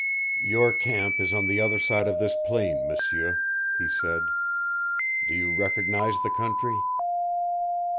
"Your camp is on the other side of this plain, M'sieur," he said. "Do you recognize the country?"